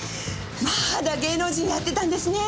まだ芸能人やってたんですね。